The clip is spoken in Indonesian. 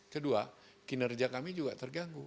kedua kinerja kami juga terganggu